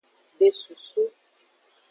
De susu.